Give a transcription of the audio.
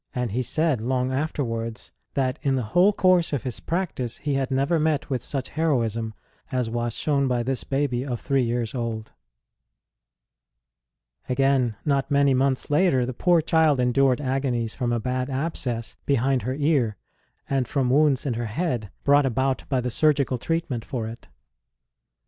ROSE S CHILDHOOD 4! and he said, long afterwards, that in the whole course of his practice he had never met with such heroism as was shown by this baby of three years old. Again, not many months later, the poor child endured agonies from a bad abscess behind her ear, and from wounds in her head brought about by the surgical treatment for it.